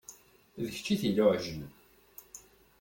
D kečč i t-iluɛjen.